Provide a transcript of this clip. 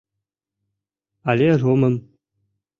Але ромым.